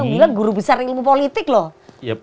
ini yang bilang guru besar ilmu politik loh